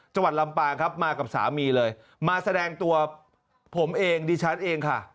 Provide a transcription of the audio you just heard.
จังหวัดลำปางครับมากับสามีเลยมาแสดงตัวผมเองดิฉันเองค่ะ